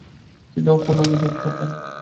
তিনি অপূর্ণাঙ্গ যত্ন পান।